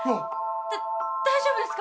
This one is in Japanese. だ大丈夫ですか？